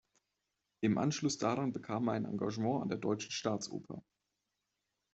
Im Anschluss daran bekam er ein Engagement an der deutschen Staatsoper.